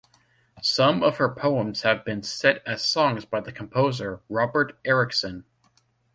Some of her poems have been set as songs by the composer Robert Erickson.